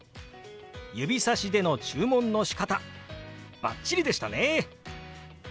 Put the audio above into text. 指さしでの注文のしかたバッチリでしたね！